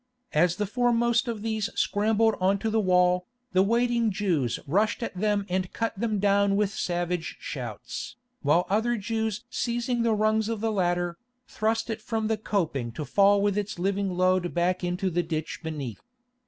As the foremost of these scrambled on to the wall, the waiting Jews rushed at them and cut them down with savage shouts, while other Jews seizing the rungs of the ladder, thrust it from the coping to fall with its living load back into the ditch beneath.